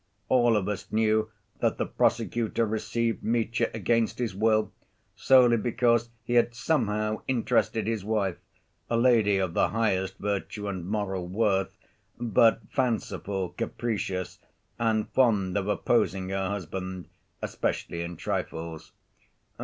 All of us knew that the prosecutor received Mitya against his will, solely because he had somehow interested his wife—a lady of the highest virtue and moral worth, but fanciful, capricious, and fond of opposing her husband, especially in trifles.